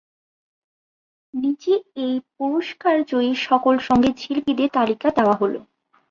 নিচে এই পুরস্কার জয়ী সকল সঙ্গীতশিল্পীদের তালিকা দেওয়া হলঃ